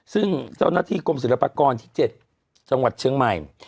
ซึ่งเจ้าหน้าที่กรมศิลปากรที่๗จังหวัดเชียงใหม่